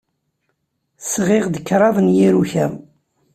Sɣiɣ-d kraḍ n yiruka.